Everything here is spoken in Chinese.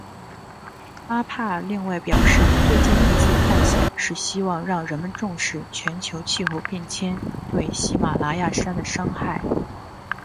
阿帕另外表示最近一次探险是希望让人们重视全球气候变迁对喜玛拉雅山的伤害。